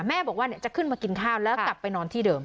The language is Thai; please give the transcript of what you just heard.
บอกว่าจะขึ้นมากินข้าวแล้วกลับไปนอนที่เดิม